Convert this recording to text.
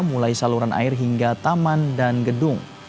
mulai saluran air hingga taman dan gedung